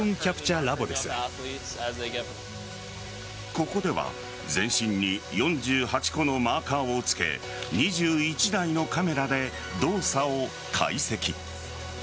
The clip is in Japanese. ここでは全身に４８個のマーカーを着け２１台のカメラで動作を解析。